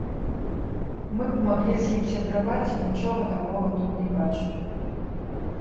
Мы б маглі з ім сябраваць, нічога такога тут не бачу.